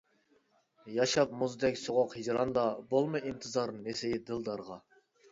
ياشاپ مۇزدەك سوغۇق ھىجراندا، بولما ئىنتىزار نېسى دىلدارغا.